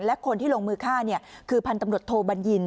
และคนที่ลงมือฆ่าคือพันธุ์ตำรวจโทบัญญิน